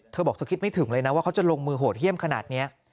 เธอบอกเธอคิดไม่ถึงเลยนะว่าเขาจะลงมือโหดเยี่ยมขนาดนี้